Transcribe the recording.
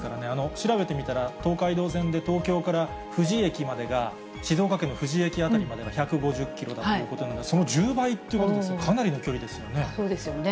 調べてみたら、東海道線で東京から富士駅までが静岡県の富士駅辺りまでが１５０キロということで、その１０倍ということですから、かなりの距離そうですよね。